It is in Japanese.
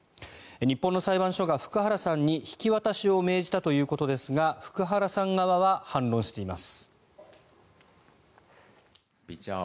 日本の裁判所が福原さんに引き渡しを命じたということですが福原さん側は反論しています。